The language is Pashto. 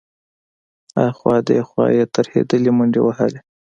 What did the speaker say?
ها خوا دې خوا يې ترهېدلې منډې وهلې.